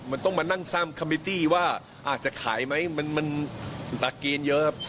มันต้องมานั่งสร้างคอมพิวตี้ว่าอาจจะขายไหมมันตะเกณฑ์เยอะครับ